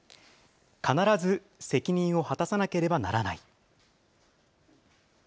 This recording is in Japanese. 必ず責任を果たさなければならない。